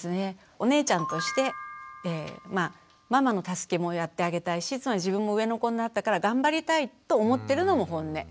お姉ちゃんとしてママの助けもやってあげたいし自分も上の子になったから頑張りたいと思ってるのもホンネ。